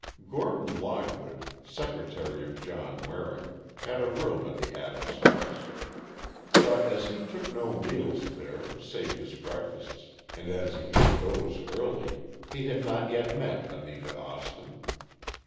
Gordon Lockwood, secretary of John Waring, had a room at the Adams house. But as he took no meals there save his breakfasts, and as he ate those early, he had not yet met Anita Austin.